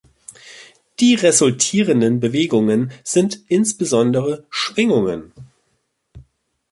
Die resultierenden Bewegungen sind insbesondere Schwingungen.